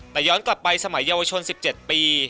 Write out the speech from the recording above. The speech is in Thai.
แต่ย้อนกลับไปสมัยเยาวชน๑๗ปี